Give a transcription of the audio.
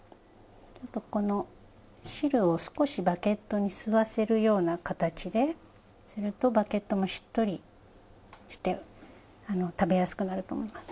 ちょっとこの汁を少しバゲットに吸わせるような形でするとバゲットもしっとりして食べやすくなると思います。